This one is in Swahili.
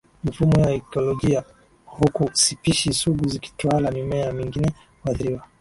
mifumo ya ikolojia huku spishi sugu zikitawala Mimea mingine huathiriwa